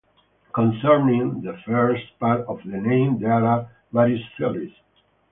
Concerning the first part of the name there are various theories.